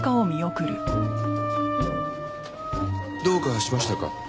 どうかしましたか？